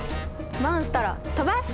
モンストロ飛ばす！